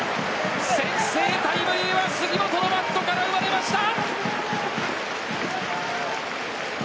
先制タイムリーは杉本のバットから生まれました。